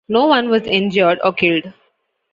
No one was injured or killed.